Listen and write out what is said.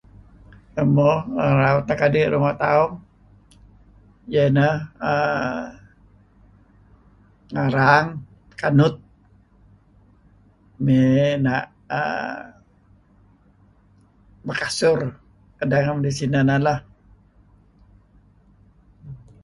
Mo naru teh anak adi' ngi ruma' tauh iyeh ineh uhm narang, kanut, may na' uhm makasur. Neh nuk midih sineh lah.